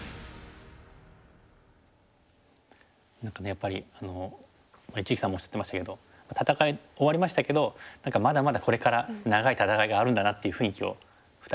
やっぱり一力さんもおっしゃってましたけど戦い終わりましたけど何かまだまだこれから長い戦いがあるんだなっていう雰囲気を２人とも。